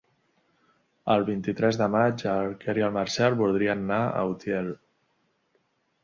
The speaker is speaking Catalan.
El vint-i-tres de maig en Quer i en Marcel voldrien anar a Utiel.